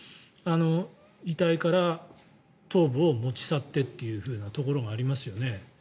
遺体から頭部を持ち去ってというところがありますよね。